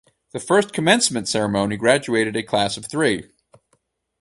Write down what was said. The first commencement ceremony graduated a class of three.